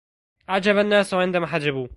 عجب الناس عندما حجبوا